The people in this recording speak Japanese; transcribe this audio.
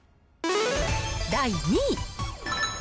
第２位。